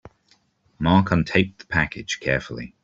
Mark untaped the package carefully.